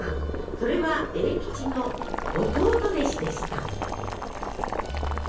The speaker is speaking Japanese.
それは栄吉の弟弟子でした。